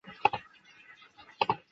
主角是中国明朝开国名士刘伯温。